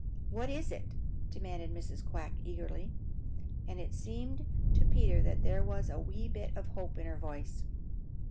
"What is it?" demanded Mrs. Quack eagerly, and it seemed to Peter that there was a wee bit of hope in her voice.